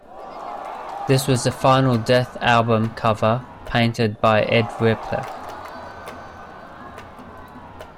This was the final Death album cover painted by Ed Repka.